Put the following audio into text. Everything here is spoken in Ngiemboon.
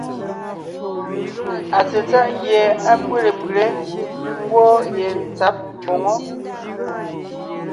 Atsetsáʼ gie á pʉ́le pʉlé, ńgwɔ́ yentsǎb mboŋó.